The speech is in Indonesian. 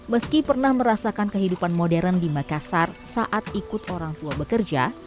meski pernah merasakan kehidupan modern di makassar saat ikut orang tua bekerja